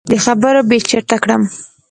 دې خبرو بې چرته کړم.